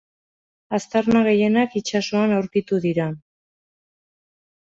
Aztarna gehienak itsasoan aurkitu dira.